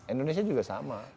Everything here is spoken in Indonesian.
indonesia juga sama